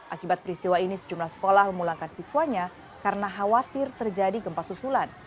akibat peristiwa ini sejumlah sekolah memulangkan siswanya karena khawatir terjadi gempa susulan